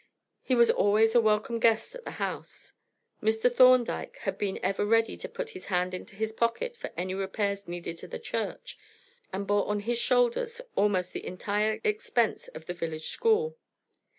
He was always a welcome guest at the house; Mr. Thorndyke had been ever ready to put his hand into his pocket for any repairs needed for the church, and bore on his shoulders almost the entire expense of the village school.